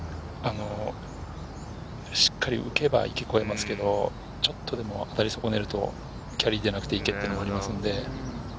しっかり浮けば池を越えますけど、当たり損ねると、キャリーじゃなくて、池というのもありますので。